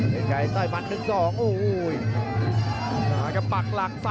นั่งให้ไกลต่อฟท์